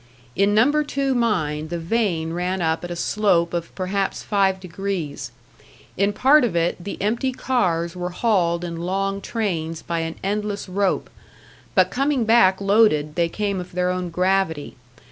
In Number Two mine the vein ran up at a slope of perhaps five degrees; in part of it the empty cars were hauled in long trains by an endless rope, but coming back loaded, they came of their own gravity.